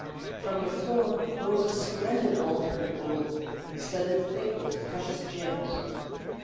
From the floor rose a splendid altar of gold, studded thick with precious gems.